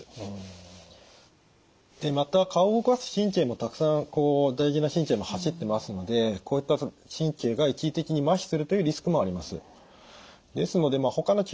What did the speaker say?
でまた顔を動かす神経もたくさん大事な神経が走ってますのでこういった神経が一時的にまひするというリスクもあります。